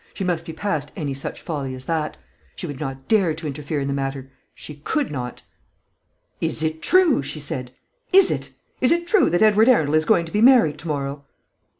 She must be past any such folly as that. She would not dare to interfere in the matter. She could not. "Is it true?" she said; "is it? Is it true that Edward Arundel is going to be married to morrow?"